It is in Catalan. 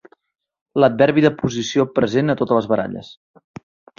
L'adverbi de posició present a totes les baralles.